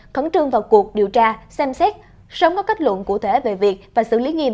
khẩn trương vào cuộc điều tra xem xét sớm có kết luận cụ thể về việc và xử lý nghiêm